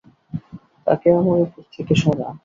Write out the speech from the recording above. তাকে আমার উপর থেকে সরা!